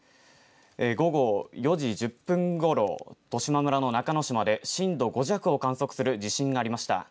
午後４時１０分ごろ、十島村の中之島で震度５弱を観測する地震がありました。